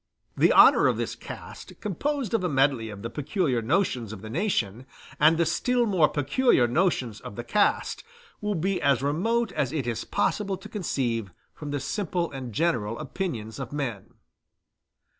The honor of this caste, composed of a medley of the peculiar notions of the nation, and the still more peculiar notions of the caste, will be as remote as it is possible to conceive from the simple and general opinions of men.